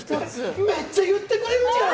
めっちゃ言ってくれんじゃん！